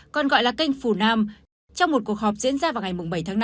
còn gọi là kênh phù nam trong một cuộc họp diễn ra vào ngày bảy tháng năm